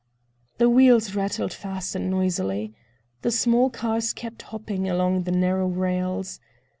The wheels rattled fast and noisily. The small cars kept hopping along the narrow rails.